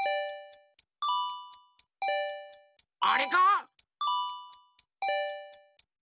あれか？